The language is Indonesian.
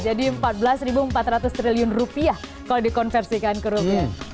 jadi empat belas empat ratus triliun rupiah kalau dikonversikan ke rupiah